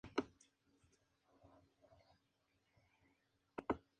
Con pelo natural, tiene como característica singular el hecho de poseer tres manos.